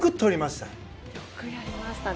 よくとりましたね。